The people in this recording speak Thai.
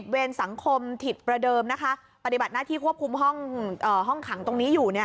เวรสังคมถิตประเดิมนะคะปฏิบัติหน้าที่ควบคุมห้องขังตรงนี้อยู่